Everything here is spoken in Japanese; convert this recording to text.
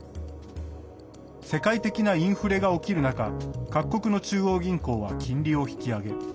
世界的なインフレが起きる中各国の中央銀行は金利を引き上げ。